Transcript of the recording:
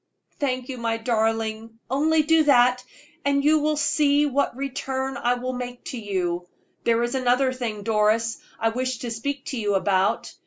"Thank you, my darling! Only do that, and you will see what return I will make to you. There is another thing, Doris, I wish to speak to you about.